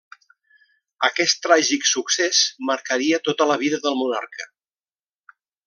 Aquest tràgic succés marcaria tota la vida del monarca.